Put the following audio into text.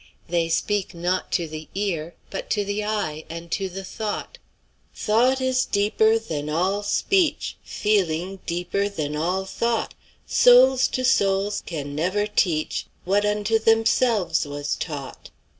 "They speak not to the ear, but to the eye and to the thought: 'Thought is deeper than all speech; Feeling deeper than all thought; Souls to souls can never teach What unto themselves was taught.'"